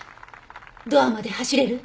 ドアまで走れる？